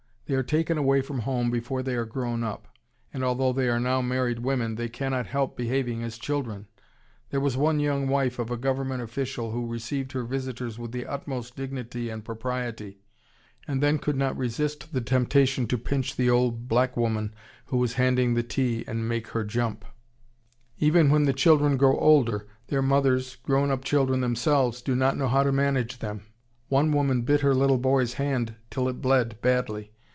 They are taken away from home before they are grown up, and although they are now married women they cannot help behaving as children. There was one young wife of a Government official who received her visitors with the utmost dignity and propriety, and then could not resist the temptation to pinch the old black woman who was handing the tea and make her jump.... [Illustration: A LITTLE GOANESE BRIDE IN INDIA] Even when the children grow older their mothers, grown up children themselves, do not know how to manage them.... One woman bit her little boy's hand till it bled badly.